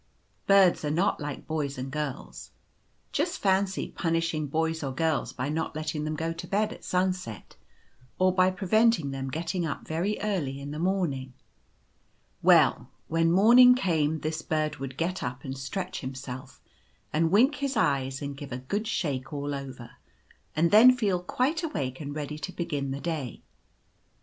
Birds are not like boys and girls. Just fancy punishing boys or girls by not letting them go to bed at sunset, or by preventing them getting up very early in the morning. Well, when morning came this bird would get up and stretch himself, and wink his eyes, and give a good shake all over, and then feel quite awake and ready to begin the day.